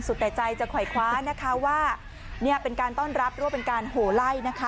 สุดแต่ใจจะคอยคว้านะคะว่าเนี่ยเป็นการต้อนรับหรือว่าเป็นการโหไล่นะคะ